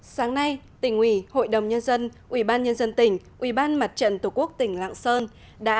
sáng nay tỉnh ủy hội đồng nhân dân ubnd tỉnh ubnd mặt trận tổ quốc tỉnh lạng sơn đã